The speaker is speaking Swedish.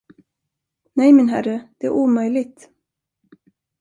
Nej, min herre, det är omöjligt.